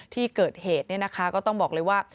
ที่เกิดเหตุก็ต้องบอกเลยว่า